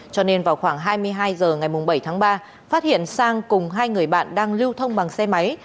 cho nên vào khoảng hai mươi hai h ngày bảy tháng ba phát hiện sang cùng hai người bạn đang lưu thông bằng xe máy